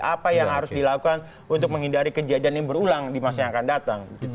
apa yang harus dilakukan untuk menghindari kejadian yang berulang di masa yang akan datang